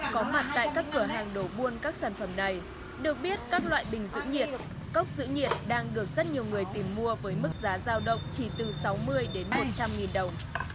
có mặt tại các cửa hàng đổ buôn các sản phẩm này được biết các loại bình giữ nhiệt cốc giữ nhiệt đang được rất nhiều người tìm mua với mức giá giao động chỉ từ sáu mươi đến một trăm linh nghìn đồng